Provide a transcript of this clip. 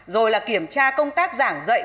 rồi là kiểm tra công tác giảng dạy